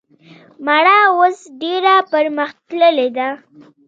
مڼه اوس ډیره پرمختللي ده